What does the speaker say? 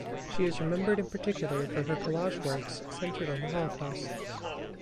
She is remembered in particular for her collage works centred on the Holocaust.